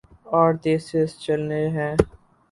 اور تیر تیز چلنے ہیں۔